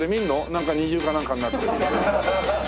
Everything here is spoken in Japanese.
なんか二重かなんかになってる。